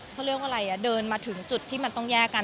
เขาเรียกว่าอะไรเดินมาถึงจุดที่มันต้องแยกกัน